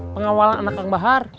pengawalan anak kang bahar